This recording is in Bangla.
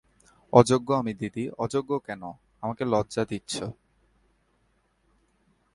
অযোগ্য আমি দিদি, অযোগ্য, কেন আমাকে লজ্জা দিচ্ছ।